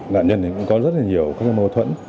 nạn nhân thì cũng có rất là nhiều các mâu thuẫn